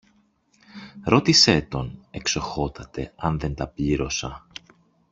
Ρώτησε τον, Εξοχότατε, αν δεν τα πλήρωσα!